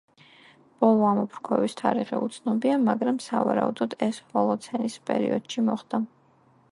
ბოლო ამოფრქვევის თარიღი უცნობია, მაგრამ სავარაუდოდ ეს ჰოლოცენის პერიოდში მოხდა.